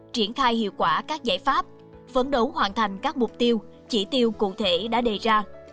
triển khai hiệu quả các giải pháp phấn đấu hoàn thành các mục tiêu chỉ tiêu cụ thể đã đề ra